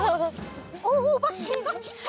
おばけがきた！